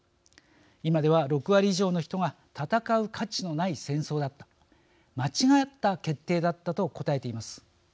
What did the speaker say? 今では６割以上の人が戦う価値のない戦争だった間違った決定だったと答えています。